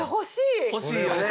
欲しいよね。